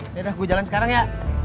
yaudah gue jalan sekarang ya